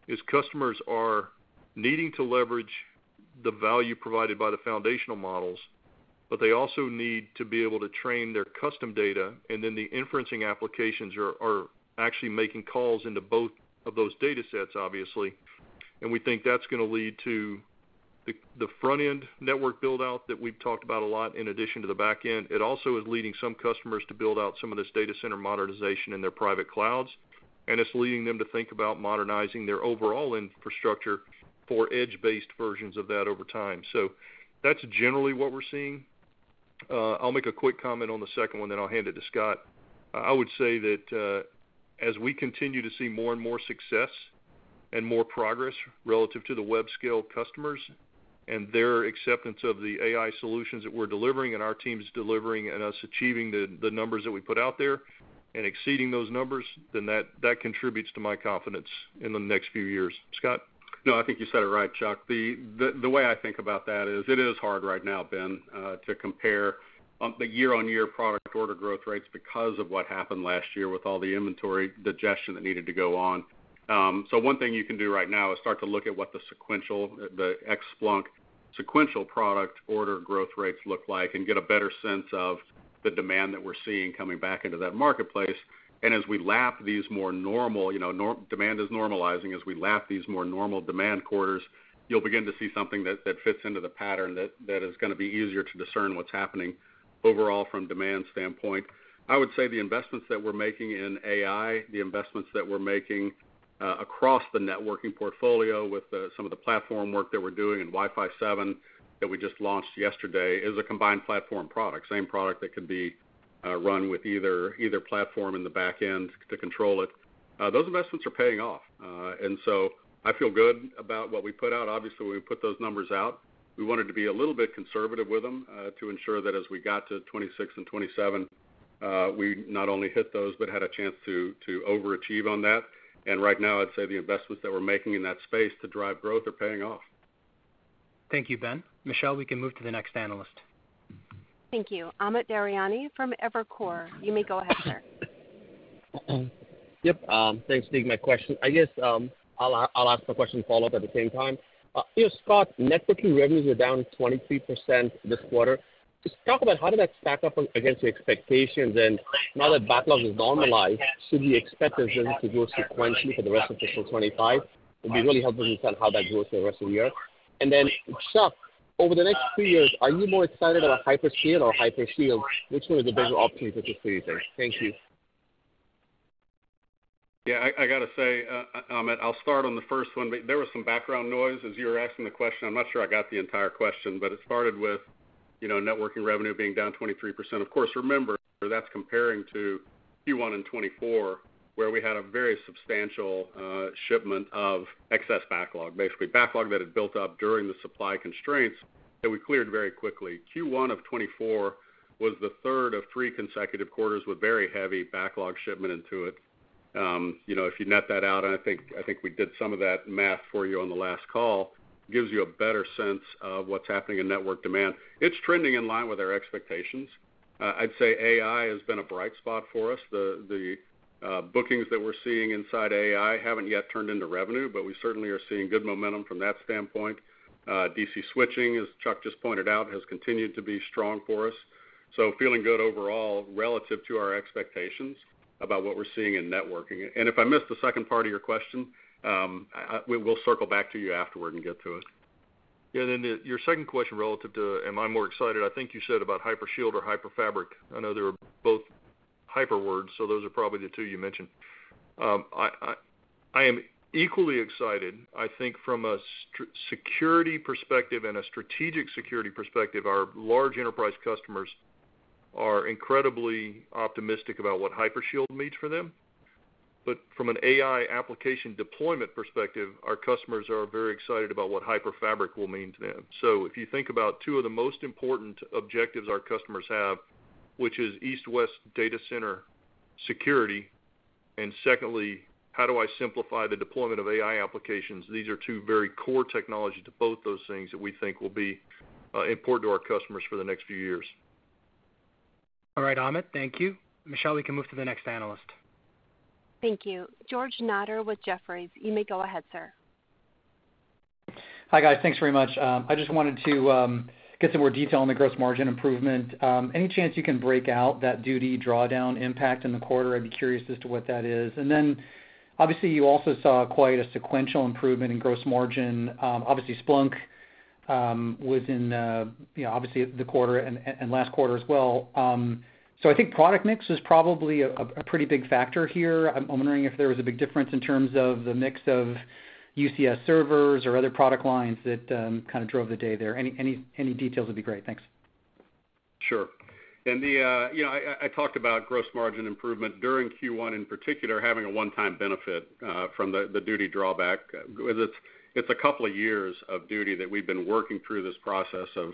is customers are needing to leverage the value provided by the foundational models, but they also need to be able to train their custom data. And then the inferencing applications are actually making calls into both of those data sets, obviously. And we think that's going to lead to the front-end network buildout that we've talked about a lot in addition to the back end. It also is leading some customers to build out some of this data center modernization in their private clouds. And it's leading them to think about modernizing their overall infrastructure for edge-based versions of that over time. So that's generally what we're seeing. I'll make a quick comment on the second one, then I'll hand it to Scott. I would say that as we continue to see more and more success and more progress relative to the web-scale customers and their acceptance of the AI solutions that we're delivering and our team's delivering and us achieving the numbers that we put out there and exceeding those numbers, then that contributes to my confidence in the next few years. Scott? No, I think you said it right, Chuck. The way I think about that is it is hard right now, Ben, to compare the year-on-year product order growth rates because of what happened last year with all the inventory digestion that needed to go on. So one thing you can do right now is start to look at what the sequential, the ex-Splunk sequential product order growth rates look like and get a better sense of the demand that we're seeing coming back into that marketplace. As we lap these more normal demand, it's normalizing. As we lap these more normal demand quarters, you'll begin to see something that fits into the pattern that is going to be easier to discern what's happening overall from a demand standpoint. I would say the investments that we're making in AI, the investments that we're making across the networking portfolio with some of the platform work that we're doing and Wi-Fi 7 that we just launched yesterday is a combined platform product, same product that can be run with either platform in the back end to control it. Those investments are paying off, so I feel good about what we put out. Obviously, when we put those numbers out, we wanted to be a little bit conservative with them to ensure that as we got to 2026 and 2027, we not only hit those but had a chance to overachieve on that. And right now, I'd say the investments that we're making in that space to drive growth are paying off. Thank you, Ben. Michelle, we can move to the next analyst. Thank you. Amit Daryanani from Evercore. You may go ahead, sir. Yep. Thanks, Steve. My question, I guess I'll ask my question and follow up at the same time. Scott, networking revenues are down 23% this quarter. Just talk about how did that stack up against your expectations? And now that backlog is normalized, should we expect the business to grow sequentially for the rest of fiscal 2025? It'd be really helpful to understand how that grows for the rest of the year. And then, Chuck, over the next three years, are you more excited about Hyperscale or Hypershield? Which one is a better option to pursue, you think? Thank you. Yeah, I got to say, Amit, I'll start on the first one. There was some background noise as you were asking the question. I'm not sure I got the entire question, but it started with networking revenue being down 23%. Of course, remember, that's comparing to Q1 and 2024, where we had a very substantial shipment of excess backlog, basically backlog that had built up during the supply constraints that we cleared very quickly. Q1 of 2024 was the third of three consecutive quarters with very heavy backlog shipment into it. If you net that out, and I think we did some of that math for you on the last call, it gives you a better sense of what's happening in network demand. It's trending in line with our expectations. I'd say AI has been a bright spot for us. The bookings that we're seeing inside AI haven't yet turned into revenue, but we certainly are seeing good momentum from that standpoint. DC switching, as Chuck just pointed out, has continued to be strong for us. So feeling good overall relative to our expectations about what we're seeing in networking. And if I missed the second part of your question, we'll circle back to you afterward and get to it. Yeah, then your second question relative to, am I more excited? I think you said about Hypershield or HyperFabric. I know they were both hyper words, so those are probably the two you mentioned. I am equally excited. I think from a security perspective and a strategic security perspective, our large enterprise customers are incredibly optimistic about what Hypershield means for them. But from an AI application deployment perspective, our customers are very excited about what HyperFabric will mean to them. So if you think about two of the most important objectives our customers have, which is east-west data center security, and secondly, how do I simplify the deployment of AI applications? These are two very core technologies to both those things that we think will be important to our customers for the next few years. All right, Amit. Thank you. Michelle, we can move to the next analyst. Thank you. George Notter with Jefferies. You may go ahead, sir. Hi guys. Thanks very much. I just wanted to get some more detail on the gross margin improvement. Any chance you can break out that duty drawback impact in the quarter? I'd be curious as to what that is. And then obviously, you also saw quite a sequential improvement in gross margin. Obviously, Splunk was in the quarter and last quarter as well. So I think product mix is probably a pretty big factor here. I'm wondering if there was a big difference in terms of the mix of UCS servers or other product lines that kind of drove the delta there. Any details would be great. Thanks. Sure. And I talked about gross margin improvement during Q1 in particular, having a one-time benefit from the duty drawback. It's a couple of years of duty that we've been working through this process of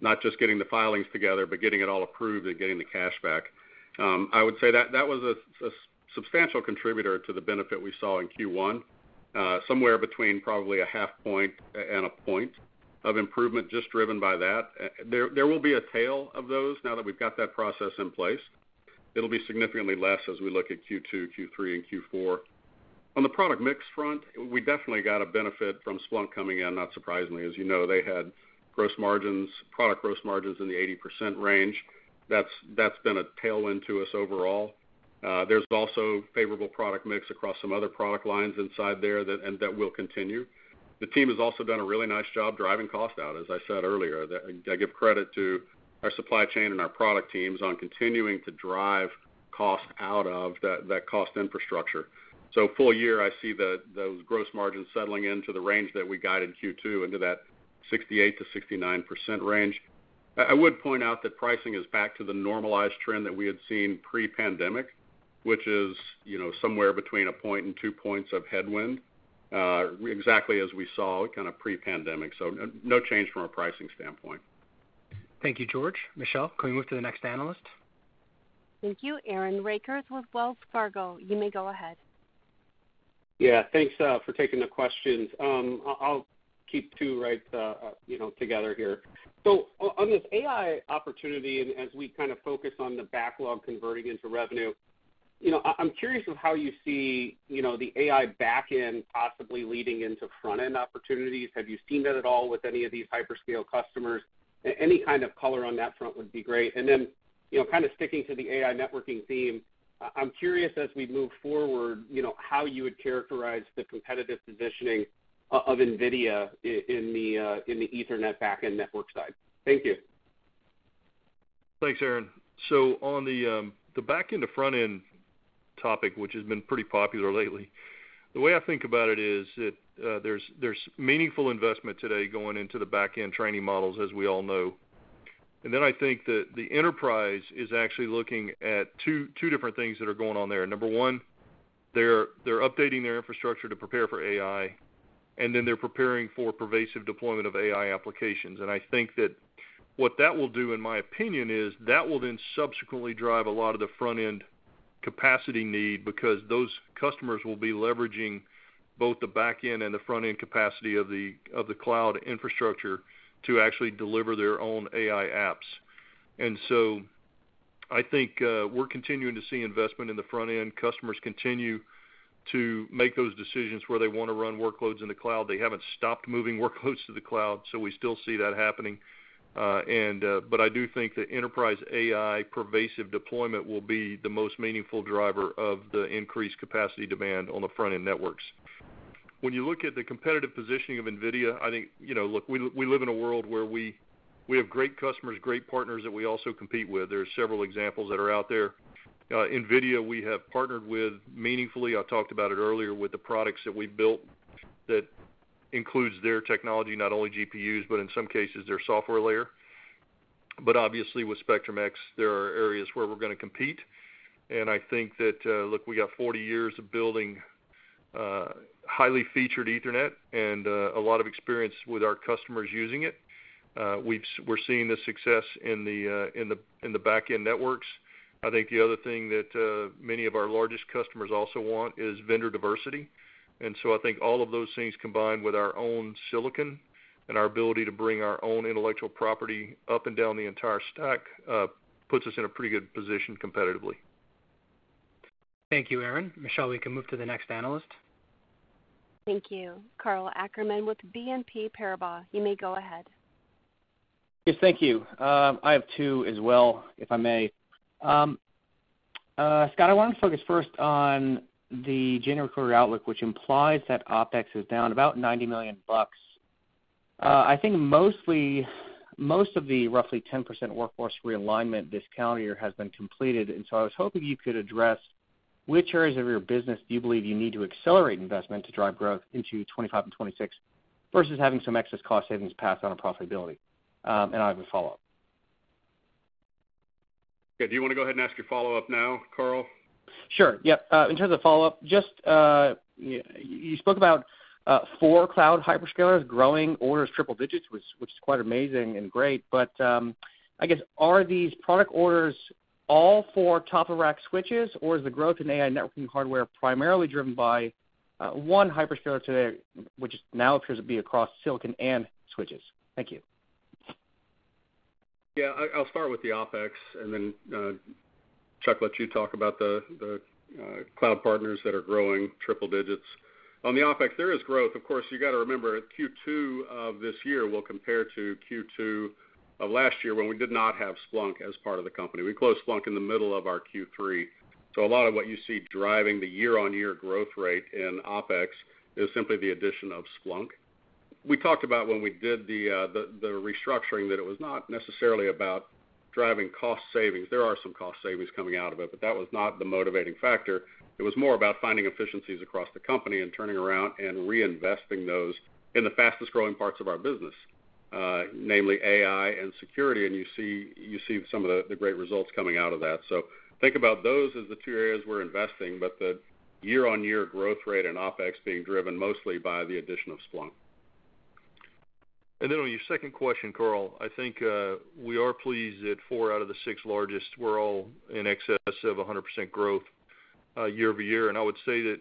not just getting the filings together, but getting it all approved and getting the cash back. I would say that that was a substantial contributor to the benefit we saw in Q1, somewhere between probably a half point and a point of improvement just driven by that. There will be a tail of those now that we've got that process in place. It'll be significantly less as we look at Q2, Q3, and Q4. On the product mix front, we definitely got a benefit from Splunk coming in, not surprisingly. As you know, they had gross margins, product gross margins in the 80% range. That's been a tailwind to us overall. There's also favorable product mix across some other product lines inside there and that will continue. The team has also done a really nice job driving cost out, as I said earlier. I give credit to our supply chain and our product teams on continuing to drive cost out of that cost infrastructure. So full year, I see those gross margins settling into the range that we guided Q2 into that 68%-69% range. I would point out that pricing is back to the normalized trend that we had seen pre-pandemic, which is somewhere between a point and two points of headwind, exactly as we saw kind of pre-pandemic. So no change from a pricing standpoint. Thank you, George. Michelle, can we move to the next analyst? Thank you. Aaron Rakers with Wells Fargo. You may go ahead. Yeah, thanks for taking the questions. I'll keep two right together here. So on this AI opportunity, and as we kind of focus on the backlog converting into revenue, I'm curious of how you see the AI backend possibly leading into front-end opportunities. Have you seen that at all with any of these Hyperscale customers? Any kind of color on that front would be great. And then kind of sticking to the AI networking theme, I'm curious as we move forward how you would characterize the competitive positioning of NVIDIA in the Ethernet backend network side. Thank you. Thanks, Aaron. So on the backend to front-end topic, which has been pretty popular lately, the way I think about it is that there's meaningful investment today going into the backend training models, as we all know. And then I think that the enterprise is actually looking at two different things that are going on there. Number one, they're updating their infrastructure to prepare for AI, and then they're preparing for pervasive deployment of AI applications. And I think that what that will do, in my opinion, is that will then subsequently drive a lot of the front-end capacity need because those customers will be leveraging both the backend and the front-end capacity of the cloud infrastructure to actually deliver their own AI apps. And so I think we're continuing to see investment in the front-end. Customers continue to make those decisions where they want to run workloads in the cloud. They haven't stopped moving workloads to the cloud, so we still see that happening. But I do think that enterprise AI pervasive deployment will be the most meaningful driver of the increased capacity demand on the front-end networks. When you look at the competitive positioning of NVIDIA, I think, look, we live in a world where we have great customers, great partners that we also compete with. There are several examples that are out there. NVIDIA, we have partnered with meaningfully. I talked about it earlier with the products that we built that includes their technology, not only GPUs, but in some cases, their software layer. But obviously, with Spectrum-X, there are areas where we're going to compete. And I think that, look, we got 40 years of building highly featured Ethernet and a lot of experience with our customers using it. We're seeing the success in the backend networks. I think the other thing that many of our largest customers also want is vendor diversity. And so I think all of those things combined with our own silicon and our ability to bring our own intellectual property up and down the entire stack puts us in a pretty good position competitively. Thank you, Aaron. Michelle, we can move to the next analyst. Thank you. Karl Ackerman with BNP Paribas. You may go ahead. Yes, thank you. I have two as well, if I may. Scott, I want to focus first on the January quarter outlook, which implies that OpEx is down about $90 million. I think most of the roughly 10% workforce realignment this calendar year has been completed. And so I was hoping you could address which areas of your business do you believe you need to accelerate investment to drive growth into 2025 and 2026 versus having some excess cost savings pass on a profitability. And I have a follow-up. Okay. Do you want to go ahead and ask your follow-up now, Karl? Sure. Yep. In terms of follow-up, just you spoke about four cloud hyperscalers growing orders triple digits, which is quite amazing and great. But I guess, are these product orders all for top-of-rack switches, or is the growth in AI networking hardware primarily driven by one Hyperscaler today, which now appears to be across silicon and switches? Thank you. Yeah, I'll start with the OpEx, and then Chuck let you talk about the cloud partners that are growing triple digits. On the OpEx, there is growth. Of course, you got to remember Q2 of this year will compare to Q2 of last year when we did not have Splunk as part of the company. We closed Splunk in the middle of our Q3. So a lot of what you see driving the year-on-year growth rate in OpEx is simply the addition of Splunk. We talked about when we did the restructuring that it was not necessarily about driving cost savings. There are some cost savings coming out of it, but that was not the motivating factor. It was more about finding efficiencies across the company and turning around and reinvesting those in the fastest growing parts of our business, namely AI and security. And you see some of the great results coming out of that. So think about those as the two areas we're investing, but the year-on-year growth rate and OpEx being driven mostly by the addition of Splunk. And then on your second question, Karl, I think we are pleased that four out of the six largest were all in excess of 100% growth year-over-year. And I would say that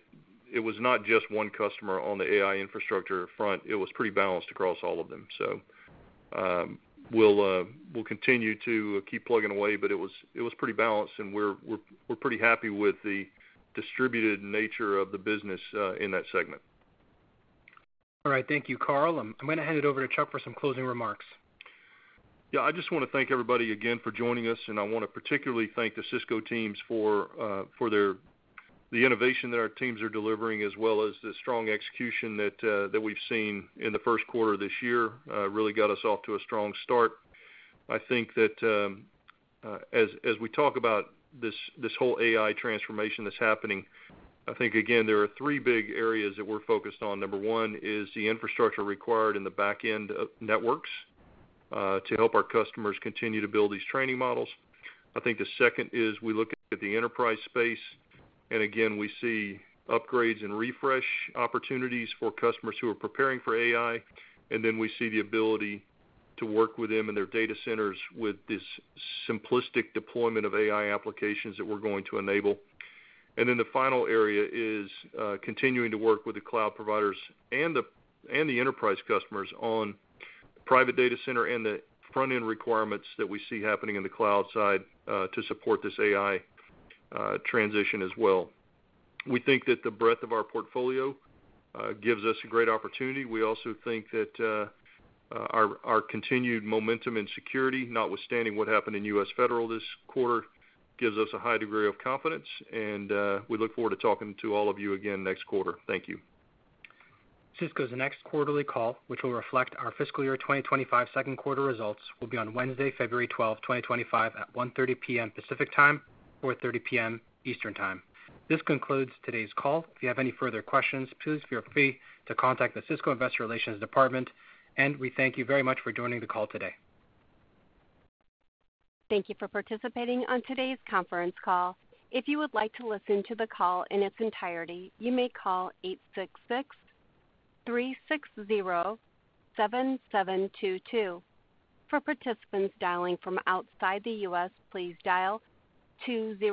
it was not just one customer on the AI infrastructure front. It was pretty balanced across all of them. So we'll continue to keep plugging away, but it was pretty balanced, and we're pretty happy with the distributed nature of the business in that segment. All right. Thank you, Karl. I'm going to hand it over to Chuck for some closing remarks. Yeah, I just want to thank everybody again for joining us, and I want to particularly thank the Cisco teams for the innovation that our teams are delivering, as well as the strong execution that we've seen in the first quarter of this year, really got us off to a strong start. I think that as we talk about this whole AI transformation that's happening, I think, again, there are three big areas that we're focused on. Number one is the infrastructure required in the backend networks to help our customers continue to build these training models. I think the second is we look at the enterprise space, and again, we see upgrades and refresh opportunities for customers who are preparing for AI, and then we see the ability to work with them and their data centers with this simplistic deployment of AI applications that we're going to enable, and then the final area is continuing to work with the cloud providers and the enterprise customers on private data center and the front-end requirements that we see happening in the cloud side to support this AI transition as well. We think that the breadth of our portfolio gives us a great opportunity. We also think that our continued momentum in security, notwithstanding what happened in U.S. Federal this quarter, gives us a high degree of confidence, and we look forward to talking to all of you again next quarter. Thank you. Cisco's next quarterly call, which will reflect our fiscal year 2025 second quarter results, will be on Wednesday, February 12, 2025, at 1:30 P.M. Pacific Time, 4:30 P.M. Eastern Time. This concludes today's call. If you have any further questions, please feel free to contact the Cisco Investor Relations Department, and we thank you very much for joining the call today. Thank you for participating on today's conference call. If you would like to listen to the call in its entirety, you may call 866-360-7722. For participants dialing from outside the U.S., please dial 200.